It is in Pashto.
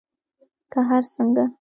که هر څنګه